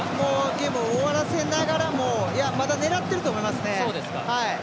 ゲームを終わらせながらもまだ狙ってると思いますね。